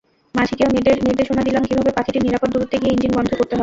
মাঝিকেও নির্দেশনা দিলাম কীভাবে পাখিটির নিরাপদ দূরত্বে গিয়ে ইঞ্জিন বন্ধ করতে হবে।